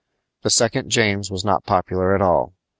The second James was not popular at all.